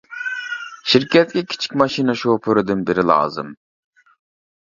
شىركەتكە كىچىك ماشىنا شوپۇردىن بىرى لازىم.